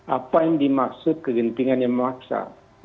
apa yang dimaksud kegentingan yang memaksa